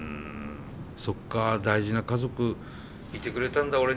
そっか大事な家族いてくれたんだ